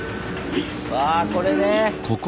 わあこれね。